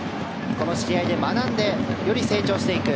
この試合で学んでより成長していく。